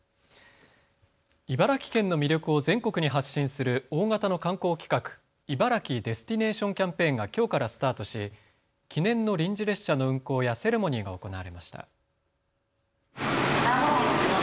茨城県の魅力を全国に発信する大型の観光企画、茨城デスティネーションキャンペーンがきょうからスタートし記念の臨時列車の運行やセレモニーが行われました。